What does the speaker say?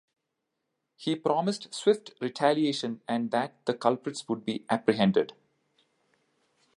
He promised swift retaliation and that the culprits would be apprehended.